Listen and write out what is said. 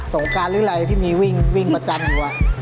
งการหรืออะไรที่มีวิ่งประจำอยู่